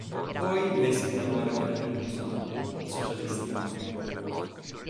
Poi lei si innamora di un amico di sua madre, i socialisti Marc.